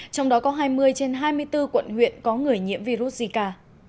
trong đó có hai mươi trên hai mươi bốn quận huyện có người nhiễm virus zika